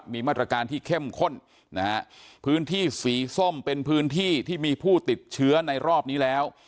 มีมาตรการที่เข้มข้นนะฮะพื้นที่สีส้มเป็นพื้นที่ที่มีผู้ติดเชื้อในรอบนี้แล้ว